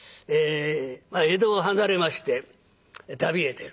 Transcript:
江戸を離れまして旅へ出る。